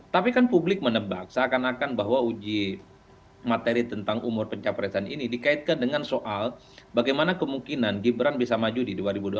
tapi kan publik menebak seakan akan bahwa uji materi tentang umur pencapresan ini dikaitkan dengan soal bagaimana kemungkinan gibran bisa maju di dua ribu dua puluh